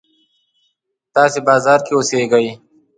تاسې بازار کې اوسېږئ.